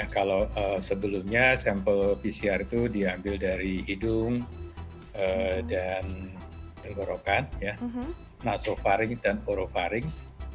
kalau sebelumnya sampel pcr itu diambil dari hidung dan tenggorokan nasofaring dan orovaring